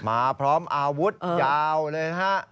มาพร้อมอาวุธยาวเลยนะฮะ